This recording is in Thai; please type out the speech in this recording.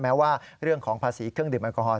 แม้ว่าเรื่องของภาษีเครื่องดื่มแอลกอฮอล